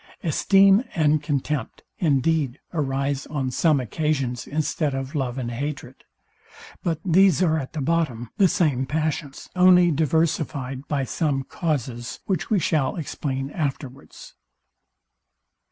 Esteem and contempt, indeed, arise on some occasions instead of love and hatred; but these are at the bottom the same passions, only diversifyed by some causes, which we shall explain afterwards.